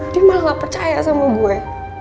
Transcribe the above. dia malah gak percaya sama gue